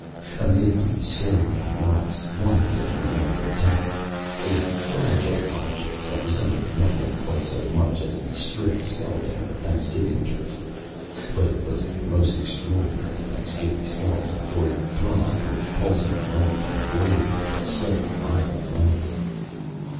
Amid the scurrying lumps, one thing remained intact, a fragile object that resembled nothing quite so much as the stripped skeleton of a Thanksgiving turkey. But it was a most extraordinary Thanksgiving skeleton, for it throbbed with pulsing life and glowed with a steady violet light.